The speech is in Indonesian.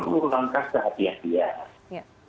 ini perlu langkah sehatian hian